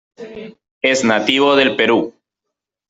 Es nativo del Perú.